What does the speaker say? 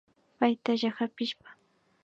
Paytalla kapishpa